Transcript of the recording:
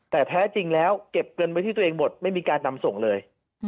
แต่แท้จริงแล้วเก็บเงินไว้ที่ตัวเองหมดไม่มีการนำส่งเลย